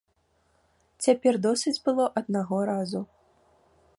Цяпер досыць было аднаго разу.